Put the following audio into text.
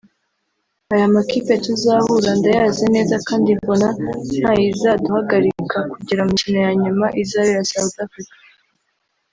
“ aya makipe tuzahura ndayazi neza kandi mbona ntayizaduhagarika kugera mu mikino ya nyuma izabera South Africa”